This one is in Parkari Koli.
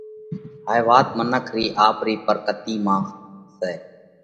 هائي وات منک رِي آپرِي پرڪرتِي مانه سئہ۔